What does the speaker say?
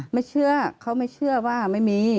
ไม่เชื่อเขาไม่เชื่อว่าไม่มี